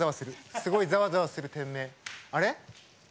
すごいざわざわする店名！